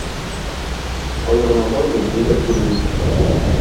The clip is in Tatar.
Кая гына бармый, ниләр күрми